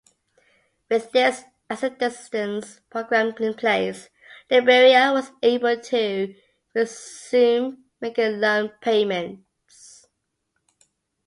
With this assistance program in place, Liberia was able to resume making loan payments.